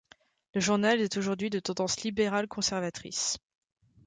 Le journal est aujourd'hui de tendance libérale-conservatrice.